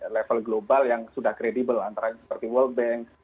level global yang sudah kredibel antara seperti world bank